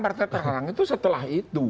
partai terlarang itu setelah itu